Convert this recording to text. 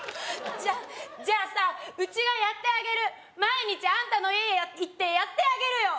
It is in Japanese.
じゃじゃあさうちがやってあげる毎日あんたの家行ってやってあげるよ